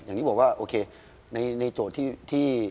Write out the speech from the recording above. อย่างที่บอกว่าโอเคในโจทย์ที่